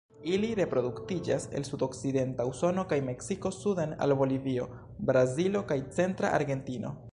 Ili reproduktiĝas el sudokcidenta Usono kaj Meksiko suden al Bolivio, Brazilo kaj centra Argentino.